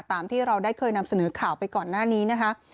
ตามที่เราได้เคยนำเสนอข่าวไปก่อนหน้านี้นะคะ